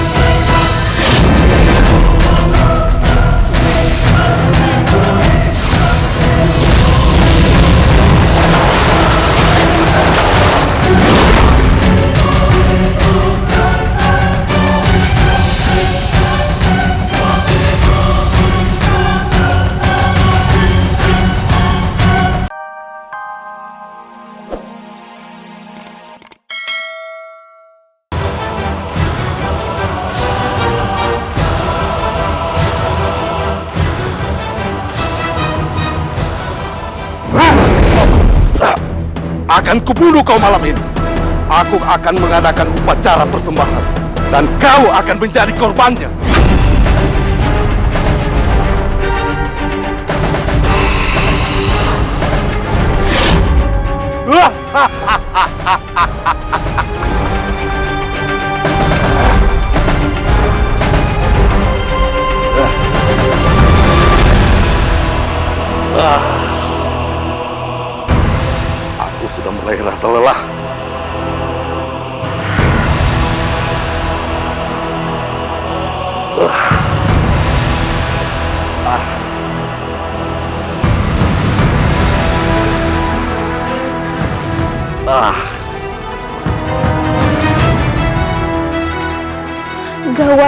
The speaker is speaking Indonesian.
jangan lupa like share dan subscribe channel ini untuk dapat info terbaru